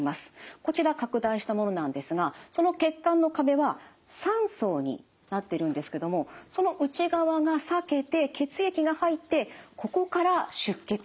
こちら拡大したものなんですがその血管の壁は３層になってるんですけどもその内側が裂けて血液が入ってここから出血しました。